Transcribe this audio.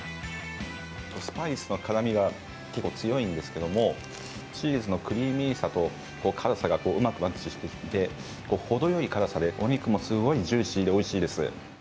スパイスの辛みが結構強いんですけど、チーズのクリーミーさと辛さがうまくマッチしていてほどよい辛さでお肉もすごいジューシーでおいしいです